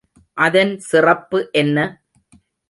அதன் சிறப்பு என்ன?